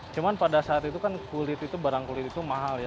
cuma pada saat itu kan kulit itu barang kulit itu mahal ya